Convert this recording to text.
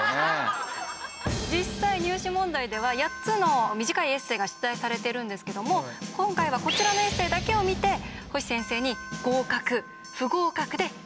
実際入試問題では８つの短いエッセーが出題されているんですけども今回はこちらのエッセーだけを見て星先生に合格不合格で決めてもらいました。